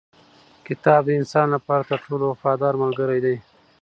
کتاب د انسان لپاره تر ټولو وفادار ملګری دی